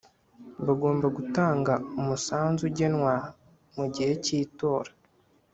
Bagomba gutanga umusanzu ugenwa mu gihe kitora